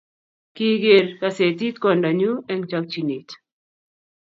kigeer kasetit kwanda nyu eng chakchinet